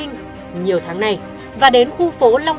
dù cho hay là không